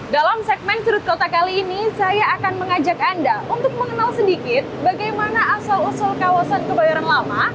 dalam segmen sudut kota kali ini saya akan mengajak anda untuk mengenal sedikit bagaimana asal usul kawasan kebayoran lama